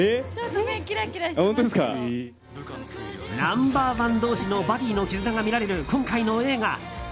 ナンバーワン同士のバディの絆が見られる今回の映画。